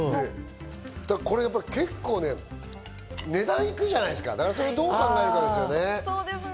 これ結構ね、値段いくじゃないですか、それをどう考えるかですね。